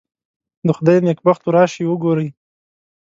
د خدای نېکبختو راشئ وګورئ.